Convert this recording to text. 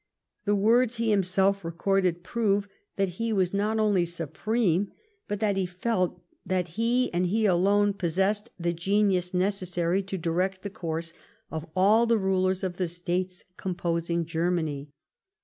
The words he himself recorded prove that he was not only supreme, but that he felt that he, and he alone, possessed the genius necessary to direct the course of all the rulers of the States composing Germany.